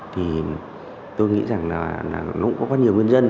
thì tôi nghĩ rằng là nó cũng có nhiều nguyên nhân